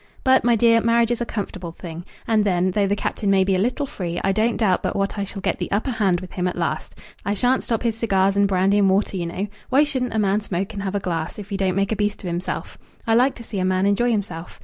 "But my dear, marriage is a comfortable thing. And then, though the Captain may be a little free, I don't doubt but what I shall get the upper hand with him at last. I shan't stop his cigars and brandy and water you know. Why shouldn't a man smoke and have a glass, if he don't make a beast of himself? I like to see a man enjoy himself.